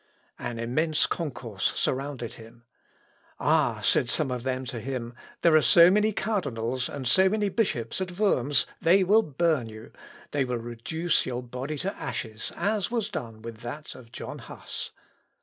An immense concourse surrounded him. "Ah!" said some of them to him, "there are so many cardinals and so many bishops at Worms, they will burn you; they will reduce your body to ashes, as was done with that of John Huss."